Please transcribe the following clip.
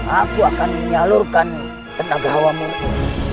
aku akan menyalurkan tenaga hawa murku